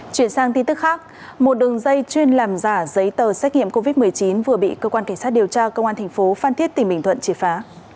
chuyển sang tin tức khác một đường dây chuyên làm giả giấy tờ xét nghiệm covid một mươi chín vừa bị cơ quan cảnh sát điều tra công an thành phố phan thiết tỉnh bình thuận triệt phá